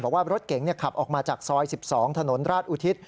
บอกว่ารถเก๋งขับออกมาจากซอย๑๒ถนนราชอุทิศ